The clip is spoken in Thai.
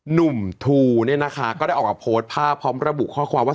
หนุ่มเนี้ยนะคะก็ได้ออกกับโพสต์ภาพพร้อมระบุข้อความว่าสวัสดีครับ